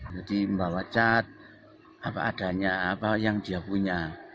jadi membawa cat apa adanya apa yang dia punya